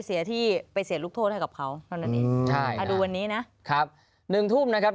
ไทยจะสวนชุดดำสวนสเดือนระเบียนนั้นจะใส่ชุดสีขาว